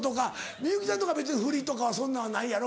幸ちゃんとか別にふりとかはそんなんはないやろ